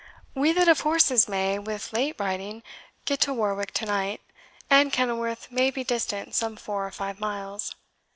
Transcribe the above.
"We that have horses may, with late riding, get to Warwick to night, and Kenilworth may be distant some four or five miles.